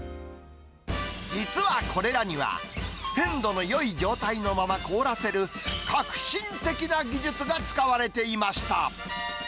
実はこれらには、鮮度のよい状態のまま凍らせる、革新的な技術が使われていました。